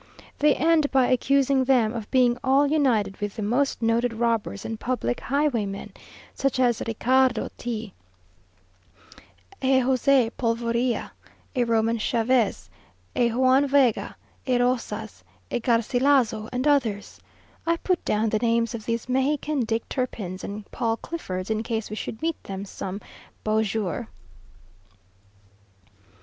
They end by accusing them of being all united with the most noted robbers and public highwaymen, such as a Ricardo Tea, a Jose Polvorilla, a Roman Chavez, a Juan Vega, a Rosas, a Garcilazo, and others. I put down the names of these Mexican Dick Turpins and Paul Cliffords, in case we should meet them some beau jour.